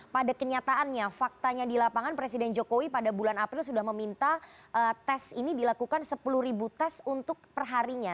pada kenyataannya faktanya di lapangan presiden jokowi pada bulan april sudah meminta tes ini dilakukan sepuluh ribu tes untuk perharinya